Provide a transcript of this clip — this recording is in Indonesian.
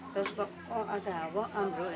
beda ruangan kamar sebelah sini